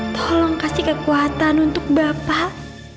tolong kasih kekuatan untuk bapak